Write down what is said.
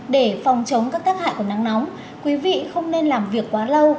để phòng chống các tác hại của nắng nóng quý vị không nên làm việc quá lâu